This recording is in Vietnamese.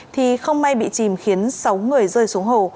thì không may bị chìm khiến sáu người rơi xuống hồ